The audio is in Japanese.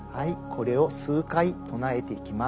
これを数回唱えていきます。